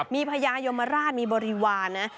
มีพญายมราชมีบริวารนะ